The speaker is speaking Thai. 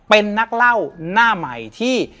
เป็นนักเล่าหน้าใหม่ที่